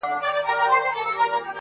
نه درك وو په ميدان كي د ټوكرانو؛